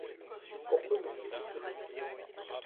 Pourquoi me dis-tu cela?